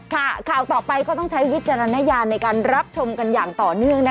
ข่าวต่อไปก็ต้องใช้วิจารณญาณในการรับชมกันอย่างต่อเนื่องนะคะ